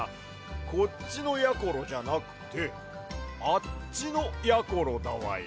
こっちのやころじゃなくてあっちのやころだわや。